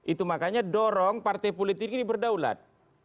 itu makanya dorong partai politik ini berdaulat